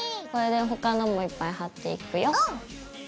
これで他のもいっぱい貼っていくよ。